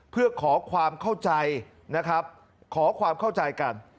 เพื่อขอความเข้าใจนะครับขอความเข้าใจกัน